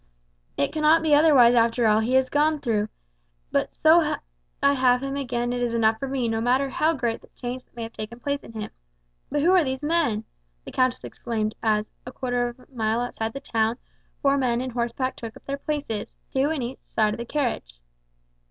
It cannot be otherwise after all he has gone through; but so that I have him again it is enough for me, no matter how great the change that may have taken place in him. But who are these men?" the countess exclaimed, as, a quarter of a mile outside the town, four men on horseback took up their places, two on each side of the carriage.